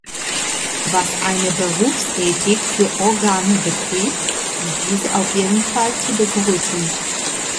Was eine Berufsethik für Organe betrifft, ist diese auf jeden Fall zu begrüßen.